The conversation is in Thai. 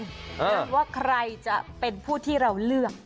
หรือว่าใครจะเป็นผู้ที่เราเลือก